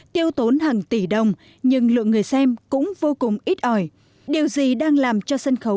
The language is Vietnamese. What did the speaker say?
tiêu tốn hàng tỷ đồng nhưng lượng người xem cũng vô cùng ít ỏi điều gì đang làm cho sân khấu